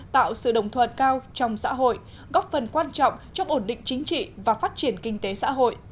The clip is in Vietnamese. tạo sự đồng thuận cao trong xã hội góp phần quan trọng trong ổn định chính trị và phát triển kinh tế xã hội